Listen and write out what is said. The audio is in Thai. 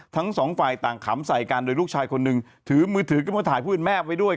ทั้งสองฝ่ายต่างขำใส่กันโดยลูกชายคนหนึ่งถือมือถือขึ้นมาถ่ายผู้เป็นแม่ไว้ด้วย